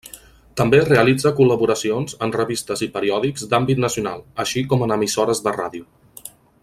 També realitza col·laboracions en revistes i periòdics d'àmbit nacional, així com en emissores de ràdio.